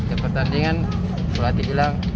di pertandingan pelatih hilang